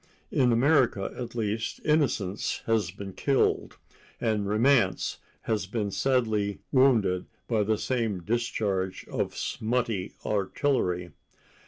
In America, at least, innocence has been killed, and romance has been sadly wounded by the same discharge of smutty artillery.